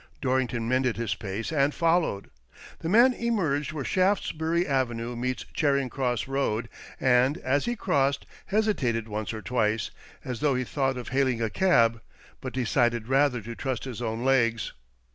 Dorrington mended his pace, and followed. The man emerged where Shaftesbury Avenue meets Char ing Cross Eoad, and, as he crossed, hesitated once or twice, as though he thought of hailing a cab, but decided rather to trust his own legs.